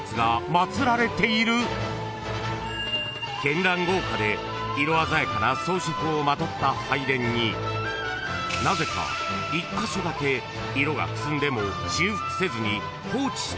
［絢爛豪華で色鮮やかな装飾をまとった拝殿になぜか１カ所だけ色がくすんでも］